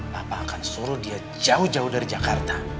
papa akan suruh dia jauh jauh dari jakarta